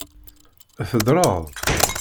Teddreḍ?